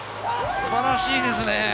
素晴らしいですね。